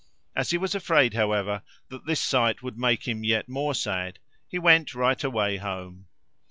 As he was afraid, however, that this sight would make him yet more sad, he went right away home.